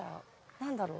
何だろう？